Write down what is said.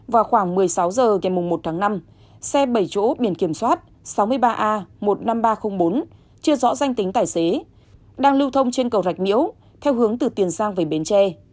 vào khoảng một mươi sáu h ngày một tháng năm xe bảy chỗ biển kiểm soát sáu mươi ba a một mươi năm nghìn ba trăm linh bốn chưa rõ danh tính tài xế đang lưu thông trên cầu rạch miễu theo hướng từ tiền giang về bến tre